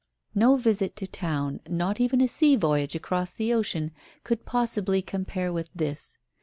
No visit to town, not even a sea voyage across the ocean could possibly compare with this.